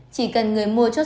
chỉ cần người mua chốt